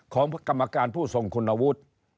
ของกรรมการผู้ทรงคุณวุฒิ